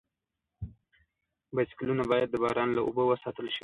بایسکلونه باید د باران له اوبو وساتل شي.